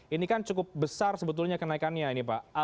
ini kan cukup besar sebetulnya kenaikannya ini pak